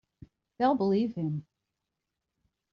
They'll believe him.